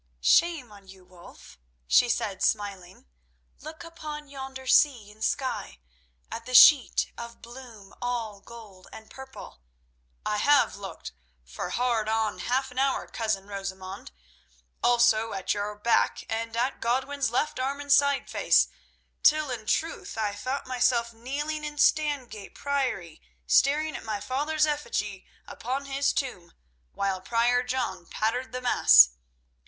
"Shame on you, Wulf," she said, smiling. "Look upon yonder sea and sky, at that sheet of bloom all gold and purple—" "I have looked for hard on half an hour, Cousin Rosamund; also at your back and at Godwin's left arm and side face, till in truth I thought myself kneeling in Stangate Priory staring at my father's effigy upon his tomb, while Prior John pattered the Mass.